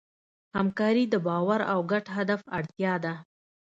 همکاري د باور او ګډ هدف اړتیا ده.